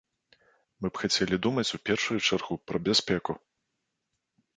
Мы б хацелі думаць у першую чаргу пра бяспеку.